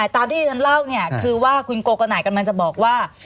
ตามที่ฉันเล่าคือว่าคุณโกโกโกนายกำลังจะบอกว่า